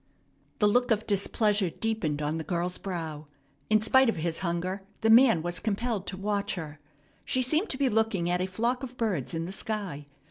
The look of displeasure deepened on the girl's brow. In spite of his hunger the man was compelled to watch her. She seemed to be looking at a flock of birds in the sky.